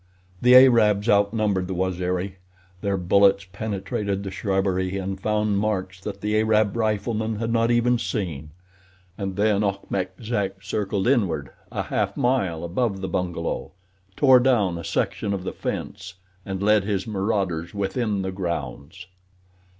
The Arabs outnumbered the Waziri; their bullets penetrated the shrubbery and found marks that the Arab riflemen had not even seen; and then Achmet Zek circled inward a half mile above the bungalow, tore down a section of the fence, and led his marauders within the grounds.